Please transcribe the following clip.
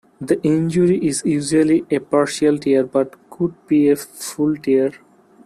The injury is usually a partial tear but could be a full tear.